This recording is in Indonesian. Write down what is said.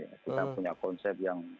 kita punya konsep yang